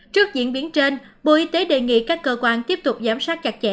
trước diễn biến trên bộ y tế đề nghị các cơ quan tiếp tục giám sát chặt chẽ